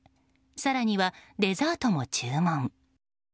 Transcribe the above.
更にはデザートも注文。